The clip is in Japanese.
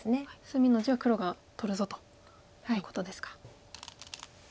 隅の地は黒が取るぞということですか。